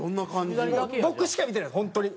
僕しか見てない本当に。